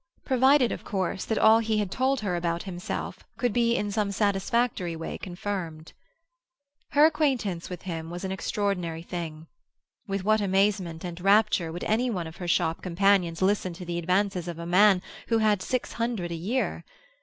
Provided, of course, that all he had told her about himself could be in some satisfactory way confirmed. Her acquaintance with him was an extraordinary thing. With what amazement and rapture would any one of her shop companions listen to the advances of a man who had six hundred a year!